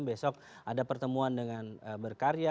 besok ada pertemuan dengan berkarya